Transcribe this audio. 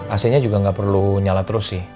ac nya juga nggak perlu nyala terus sih